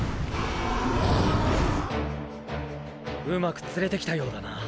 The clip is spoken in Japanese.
うまく連れてきたようだな。